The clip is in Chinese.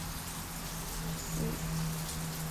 摩罗斯。